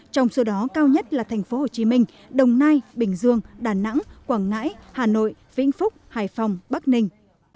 trong số đó cao nhất là thành phố hồ chí minh đồng nai bình dương đà nẵng quảng ngãi hà nội vĩnh phúc hải phòng bắc ninh